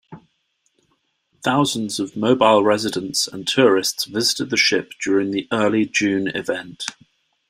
Thousands of Mobile residents and tourists visited the ship during the early June event.